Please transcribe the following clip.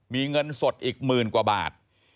มีเงินสดอีกหมื่นกว่าบาท